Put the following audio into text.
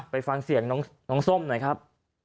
ไปฟังเสียงน้องส้มหน่อยครับ